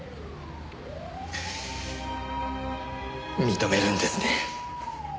認めるんですね？